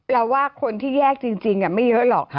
แต่พอว่าคนที่แยกจริงอ่ะไม่เยอะหรอก